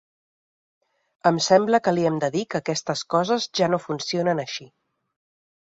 Em sembla que li hem de dir que aquestes coses ja no funcionen així.